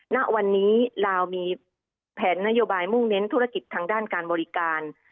ณวันนี้ลาวมีแผนนโยบายมุ่งเน้นธุรกิจทางด้านการบริการ